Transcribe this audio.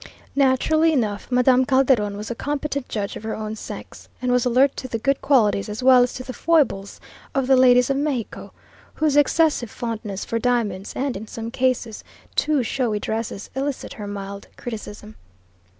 Naturally enough, Madame Calderon was a competent judge of her own sex and was alert to the good qualities as well as to the foibles of the ladies of Mexico, whose excessive fondness for diamonds and, in some cases, too showy dresses elicit her mild criticism.